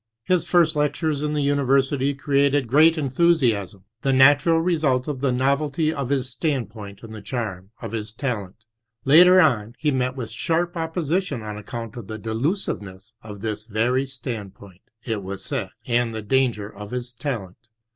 His first lectures in the university created great enthusiasm, the natural resmt of the novelty of his standpoint and the charm of his talent. Later on he met with sharp op position on account of the delusiveness of this very standpoint, it was said, and the danger of his talent.